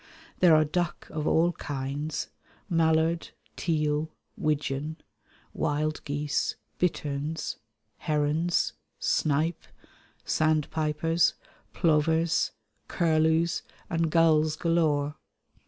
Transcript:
There are duck of all kinds, mallard, teal, widgeon; wild geese, bitterns, herons, snipe, sandpipers, plovers, curlews, and gulls galore.